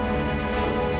agar tidak terjadi keguguran